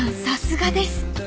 さすがです］